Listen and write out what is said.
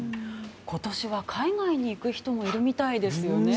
今年は海外に行く人もいるみたいですよね。